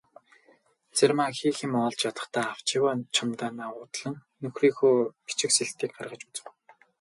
Цэрмаа хийх юмаа олж ядахдаа авч яваа чемоданаа уудлан нөхрийнхөө бичиг сэлтийг гаргаж үзэв.